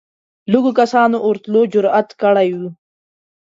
لږو کسانو ورتلو جرئت کړی وي